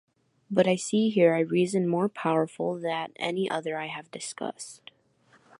But I see here I reason more powerful that any other I have discussed.